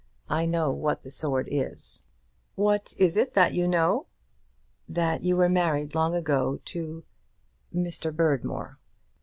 I know what the sword is." "What is it that you know?" "That you were married long ago to Mr. Berdmore."